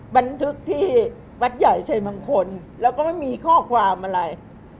บันทึกที่วัดใหญ่ชัยมงคลแล้วก็ไม่มีข้อความอะไร